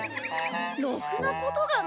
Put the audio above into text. ろくなことがない。